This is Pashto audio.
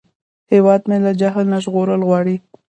هیواد مې له جهل نه ژغورل غواړي